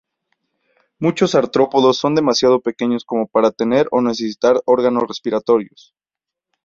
Muchos artrópodos son demasiado pequeños como para tener o necesitar órganos respiratorios.